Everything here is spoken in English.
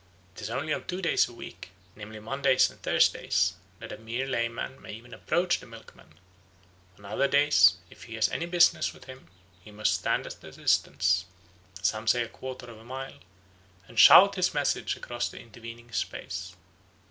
It is only on two days a week, namely Mondays and Thursdays, that a mere layman may even approach the milkman; on other days if he has any business with him, he must stand at a distance (some say a quarter of a mile) and shout his message across the intervening space.